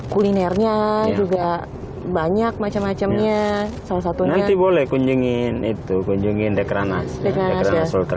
kulinernya juga banyak macam macamnya salah satu nanti boleh kunjungin itu kunjungin dekranas deklarasi